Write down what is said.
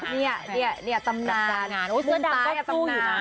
เนี่ยเนี่ยเนี่ยตำนานมุมซ้ายอ่ะตำนาน